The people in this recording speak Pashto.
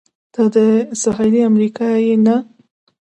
ته د سهېلي امریکا یې؟ نه.